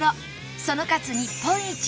その数日本一！